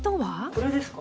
これですか？